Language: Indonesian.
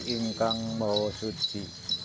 kusipi ingkang mahusudji